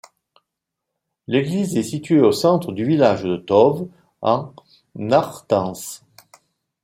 L'église est située au centre du village de Tauves, en Artense.